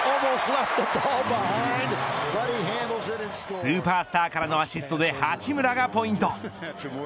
スーパースターからのアシストで八村がポイント。